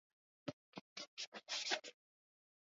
Wanafunzi walicheka kwa furaha